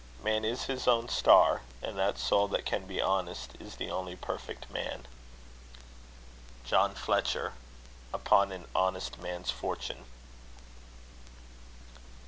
Man is his own star; and that soul that can Be honest, is the only perfect Man. JOHN FLETCHER. Upon an Honest Man's Fortune.